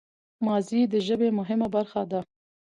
ماضي د ژبي مهمه برخه ده.